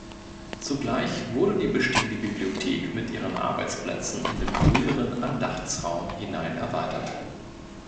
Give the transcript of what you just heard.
Zugleich wurde die bestehende Bibliothek mit ihren Arbeitsplätzen in den früheren Andachtsraum hinein erweitert.